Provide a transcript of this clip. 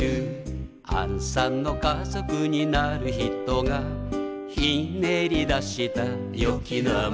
「あんさんの家族になる人がひねり出したよき名前」